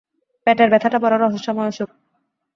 পেটের ব্যথাটা বড় রহস্যময় অসুখ।